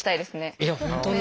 いや本当ね。